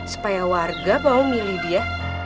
supaya warga mau milih dia